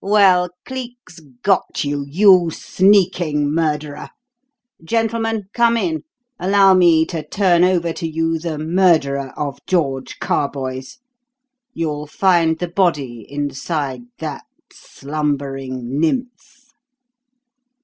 Well, Cleek's got you, you sneaking murderer. Gentlemen, come in! Allow me to turn over to you the murderer of George Carboys! You'll find the body inside that slumbering nymph!"